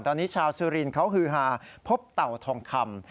ตอนนี้ชาวสุรินทร์เขาฮือฮาพบเต่าทองคำ